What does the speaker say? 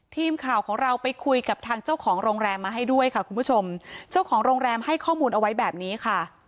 ทีมข่าวของเราไปคุยกับทางเจ้าของโรงแรมมาให้ด้วยค่ะคุณผู้ชมเจ้าของโรงแรมให้ข้อมูลเอาไว้แบบนี้ค่ะ